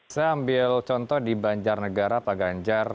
saya ambil contoh di banjarnegara pak ganjar